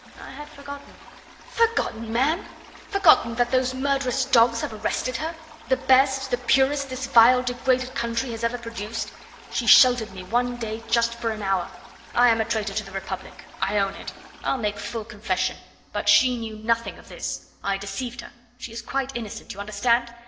I had forgotten." "Forgotten, man? forgotten that those murderous dogs have arrested her? the best, the purest, this vile, degraded country has ever produced. She sheltered me one day just for an hour. I am a traitor to the Republic I own it. I'll make full confession; but she knew nothing of this. I deceived her; she is quite innocent, you understand?